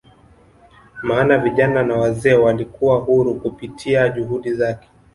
maana vijana na wazee walikuwa huru kupitia juhudi zake